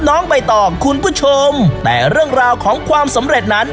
น้องใบตองคุณผู้ชมแต่เรื่องราวของความสำเร็จนั้น